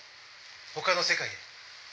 他の世界へ。